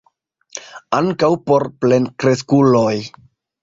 Ankaŭ por plenkreskuloj!